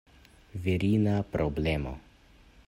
Virina problemo!